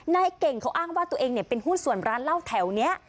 นายเก่งเขาอ้างว่าตัวเองเป็นหุ้นส่วนร้านเหล้าแถวนี้